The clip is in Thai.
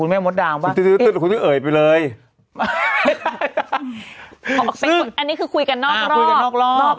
แม่มดดำบ้างเอ่ยไปเลยอันนี้คือคุยกันนอกรอบคุยกันนอกรอบ